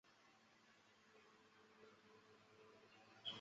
创办人为陈惠如。